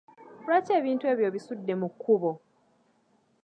Lwaki ebintu ebyo obisudde mu kkubo?